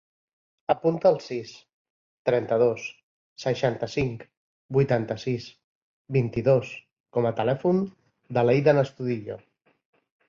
Apunta el sis, trenta-dos, seixanta-cinc, vuitanta-sis, vint-i-dos com a telèfon de l'Eidan Astudillo.